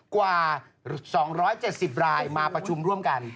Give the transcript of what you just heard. กว่า๒๗๐รายมาประชุมร่วมกัน